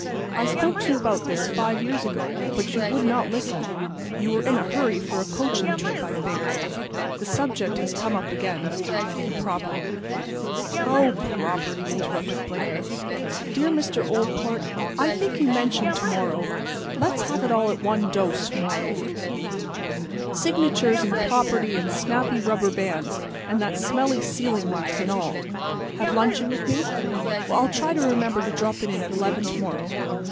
I spoke to you about this five years ago, but you would not listen—you were in a hurry for a coaching trip, I think. The subject has come up again. The property—" "Oh, property!" interrupted Blinker. "Dear Mr. Oldport, I think you mentioned to morrow. Let's have it all at one dose to morrow—signatures and property and snappy rubber bands and that smelly sealing wax and all. Have luncheon with me? Well, I'll try to remember to drop in at eleven to morrow.